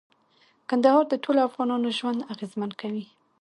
کندهار د ټولو افغانانو ژوند اغېزمن کوي.